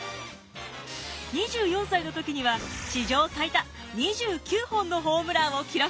２４歳の時には史上最多２９本のホームランを記録。